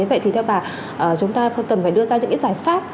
vậy thì theo bà chúng ta cần phải đưa ra những cái giải pháp